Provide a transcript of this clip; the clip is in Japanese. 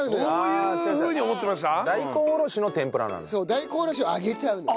大根おろしを揚げちゃうのよ。